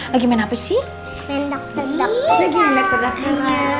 lagi main apa sih main dokter dokter lagi